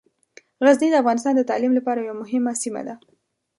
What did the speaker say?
غزني د افغانستان د تعلیم لپاره یوه مهمه سیمه ده.